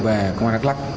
về công an đắk lắk